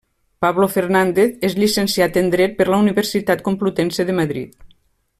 Pablo Fernández és llicenciat en Dret per la Universitat Complutense de Madrid.